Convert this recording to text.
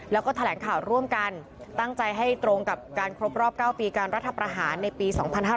แล้วก็แถลงข่าวร่วมกันตั้งใจให้ตรงกับการครบรอบ๙ปีการรัฐประหารในปี๒๕๕๙